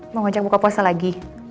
mau ngajak buka puasa lagi